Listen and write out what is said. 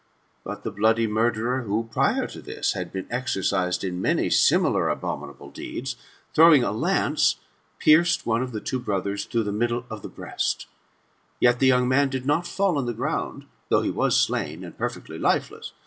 But the bloody murderer, who, prior to this, had been exercised in many similar abominable deeds, throwing a lance, pierced one of the two brothers through the middle of the breast Yet the young man did not fall on the ground, though he was slain and perfectly lifeless.